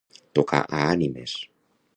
Tocar a ànimes.